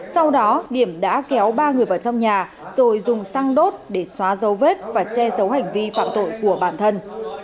sau đó điểm đã kéo ba người vào trong nhà rồi dùng xăng đốt để xóa dấu vết và che giấu hành vi phạm tội của bản thân